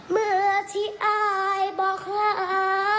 เมื่อที่อายบอกว่า